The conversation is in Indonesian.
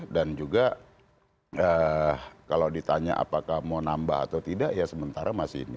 juga kalau ditanya apakah mau nambah atau tidak ya sementara masih ini